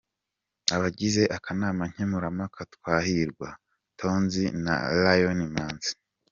Abagize akanama nkemurampaka ‘Twahirwa, Tonzi na Lion Imanzi